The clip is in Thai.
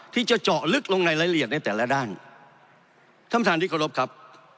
ที่จะเจาะลึกลงในรายละเอียดในแต่ละด้านท่านประธานที่เคารพครับ